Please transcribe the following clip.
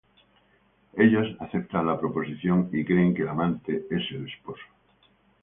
Ellos aceptan la proposición y creen que el amante es el esposo.